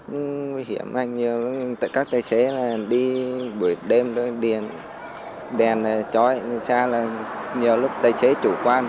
nhiều lúc tài chế chủ quan